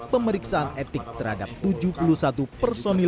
pemeriksaan etik terhadap tujuh puluh satu personil